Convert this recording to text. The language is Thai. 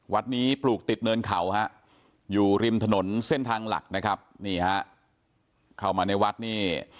วัดนี้ปลูกติดเนินเขาฮะอยู่ริมถนนเส้นทางหลักนะครับนี่ฮะเข้ามาในวัดนี่